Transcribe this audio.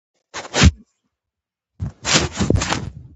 مشهور متل دی: که کار ونه کړم، د هندو غوندې خال وهم.